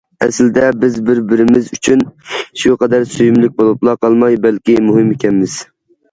ئەسلىدە بىز بىر- بىرىمىز ئۈچۈن شۇ قەدەر سۆيۈملۈك بولۇپلا قالماي، بەلكى مۇھىم ئىكەنمىز.